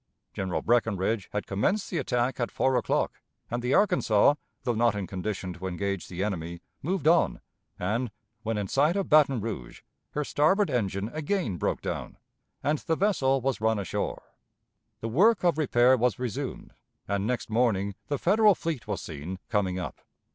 General Breckinridge had commenced the attack at four o'clock, and the Arkansas, though not in condition to engage the enemy, moved on, and, when in sight of Baton Rouge, her starboard engine again broke down, and the vessel was run ashore. The work of repair was resumed, and next morning the Federal fleet was seen coming up.